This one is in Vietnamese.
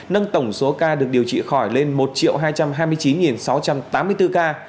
nâng tổng số ca được điều trị khỏi lên một hai trăm hai mươi chín sáu trăm tám mươi bốn ca